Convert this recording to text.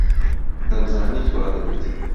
دەمزانی تووڕە دەبیت.